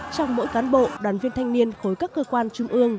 trong mỗi cán bộ đoàn viên thanh niên khối các cơ quan trung ương